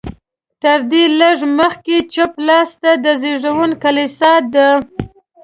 تر دې لږ مخکې چپ لاس ته د زېږون کلیسا ده.